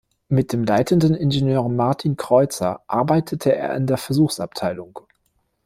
Mit dem leitenden Ingenieur Martin Kreutzer arbeitete er in der Versuchsabteilung.